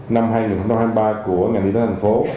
năm hai nghìn hai mươi ba của ngành y tế thành phố